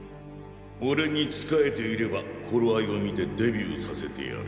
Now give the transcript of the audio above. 俺に仕えていれば頃合いを見てデビューさせてやる。